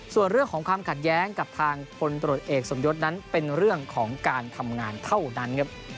ส่วนเรื่องของความขัดแย้งกับทางพลตรวจเอกสมยศนั้นเป็นเรื่องของการทำงานเท่านั้นครับ